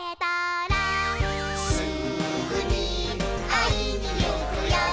「すぐにあいにいくよ」